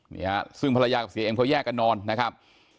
นี่ฮะซึ่งภรรยากับเสียเอ็มเขาแยกกันนอนนะครับ